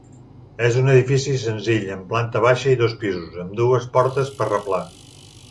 És un edifici senzill amb planta baixa i dos pisos, amb dues portes per replà.